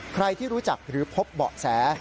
ใครที่รู้จักหรือพบเบาะแส